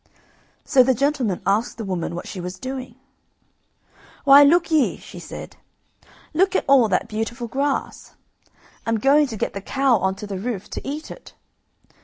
So the gentleman asked the woman what she was doing. "Why, lookye," she said, "look at all that beautiful grass. I'm going to get the cow on to the roof to eat it.